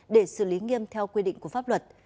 để xử lý nghiêm theo quy định của pháp luật